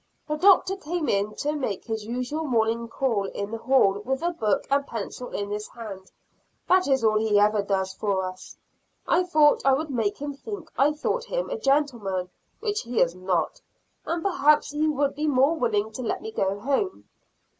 The Doctor came in to make his usual morning call, in the hall, with a book and pencil in his hand; that is all he ever does for us. I thought I would make him think I thought him a gentleman, which he is not, and perhaps he would be more willing to let me go home.